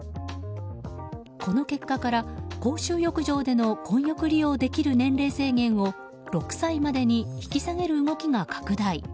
この結果から公衆浴場での混浴利用できる年齢制限を６歳までに引き下げる動きが拡大。